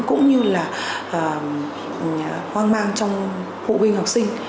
cũng như là hoang mang trong hộ binh học sinh